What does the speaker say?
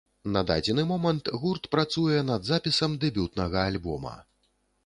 На дадзены момант гурт працуе над запісам дэбютнага альбома.